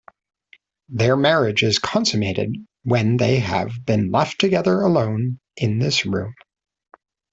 Their marriage is consummated when they have been left together alone in this room.